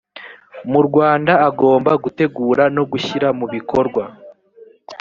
mu rwanda agomba gutegura no gushyira mubikorwa